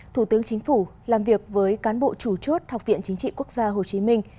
thủ tướng chính phủ làm việc với cán bộ chủ chốt học viện chính trị quốc gia hồ chí minh